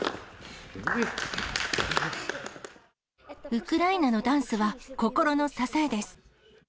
ウクライナのダンスは、心の支えです。